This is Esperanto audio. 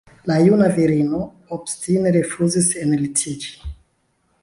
La juna virino obstine rifuzis enlitiĝi.